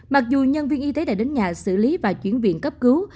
mặc dù nhân viên y tế đã đến nhà xử lý và chuyển viện cấp cứu